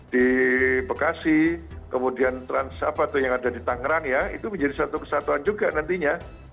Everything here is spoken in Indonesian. di bekasi kemudian yang ada di tangerang ya itu menjadi satu kesatuan juga nantinya